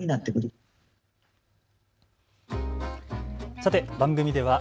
さて番組では＃